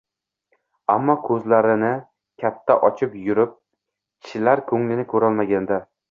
Ammo ko`zlarni katta ochib yurib, kishilar ko`ngilini ko`rolmaganda